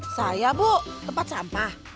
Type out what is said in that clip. saya bu tempat sampah